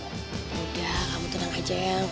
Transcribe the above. udah kamu tenang aja ya